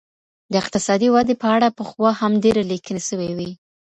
د اقتصادي ودي په اړه پخوا هم ډیري لیکنې سوې وې.